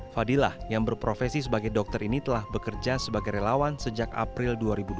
fadilah yang berprofesi sebagai dokter ini telah bekerja sebagai relawan sejak april dua ribu dua puluh